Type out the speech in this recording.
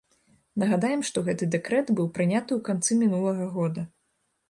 Нагадаем, што гэты дэкрэт быў прыняты ў канцы мінулага года.